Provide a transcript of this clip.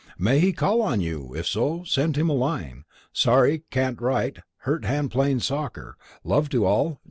"_may he call on you if so send him a line sorry can't write hurt hand playing soccer love to all.